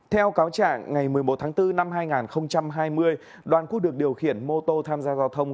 theo cáo trạng ngày một mươi một tháng bốn năm hai nghìn hai mươi đoàn quốc được điều khiển mô tô tham gia giao thông